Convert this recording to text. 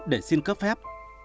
để xin cấp phép